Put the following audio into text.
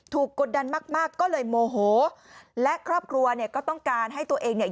กดดันมากมากก็เลยโมโหและครอบครัวเนี่ยก็ต้องการให้ตัวเองเนี่ย